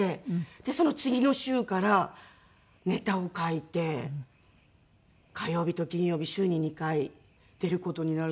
その次の週からネタを書いて火曜日と金曜日週に２回出る事になるんです。